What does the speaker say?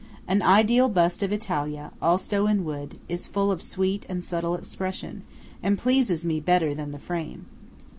An ideal bust of Italia, also in wood, is full of sweet and subtle expression, and pleases me better than the frame.